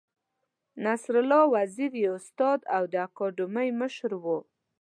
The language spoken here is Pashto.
نصرالله وزیر یې استاد او د اکاډمۍ مشر و.